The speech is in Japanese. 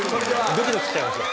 ドキドキしちゃいました。